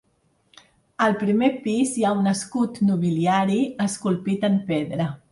Al primer pis hi ha un escut nobiliari esculpit en pedra.